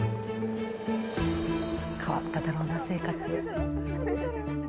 変わっただろうな生活。